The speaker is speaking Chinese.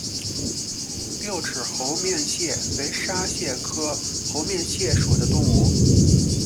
六齿猴面蟹为沙蟹科猴面蟹属的动物。